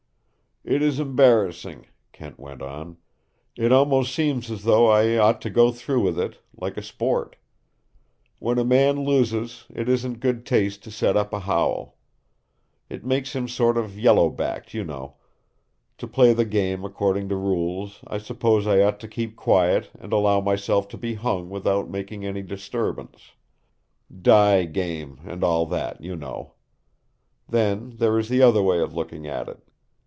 "It is embarrassing," Kent went on. "It almost seems as though I ought to go through with it, like a sport. When a man loses, it isn't good taste to set up a howl. It makes him sort of yellow backed, you know. To play the game according to rules, I suppose I ought to keep quiet and allow myself to be hung without making any disturbance. Die game, and all that, you know. Then there is the other way of looking at it.